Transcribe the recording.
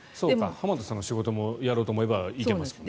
浜田さんの仕事もやろうと思えば行けますよね。